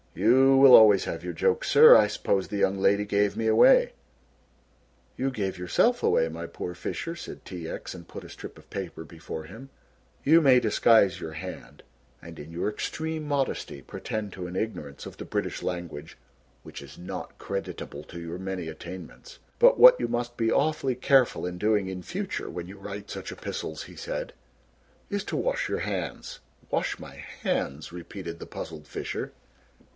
"You will always have your joke, sir. I suppose the young lady gave me away." "You gave yourself away, my poor Fisher," said T. X., and put a strip of paper before him; "you may disguise your hand, and in your extreme modesty pretend to an ignorance of the British language, which is not creditable to your many attainments, but what you must be awfully careful in doing in future when you write such epistles," he said, "is to wash your hands." "Wash my hands!" repeated the puzzled Fisher.